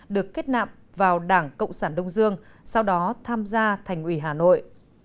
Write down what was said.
được kết nạm vào đảng cộng sản đông dương sau đó tham gia thành ủy hà nội